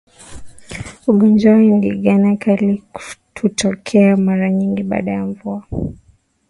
Ugonjwa wa ndigana kali hutokea mara nyingi baada ya mvua